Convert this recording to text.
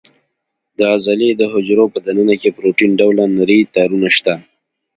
د عضلې د حجرو په دننه کې پروتین ډوله نري تارونه شته.